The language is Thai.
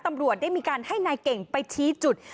ตำรวจได้มีการให้นายเก่งไปชี้จุด